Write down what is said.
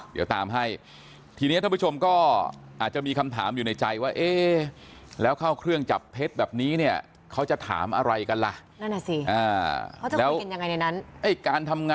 เอาคำถามก่อนละกันเป็นน่ะ